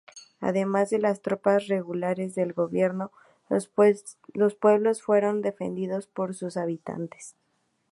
Además de las tropas regulares del gobierno, los pueblos fueron defendidos por sus habitantes.